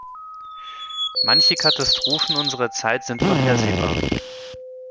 Manche Katastrophen unserer Zeit sind vorhersehbar.